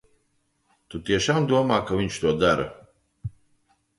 Tu tiešām domā, ka viņš to dara?